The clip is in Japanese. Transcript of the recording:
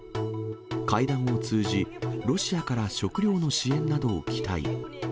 会談を通じ、ロシアから食料の支援などを期待。